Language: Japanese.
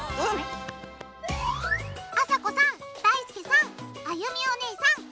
あさこさんだいすけさんあゆみおねえさん！